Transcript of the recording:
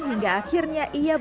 hingga akhirnya ia berhenti